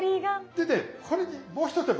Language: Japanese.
でねこれにもう一手間。